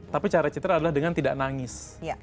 tapi cara citra adalah dengan tidak nangis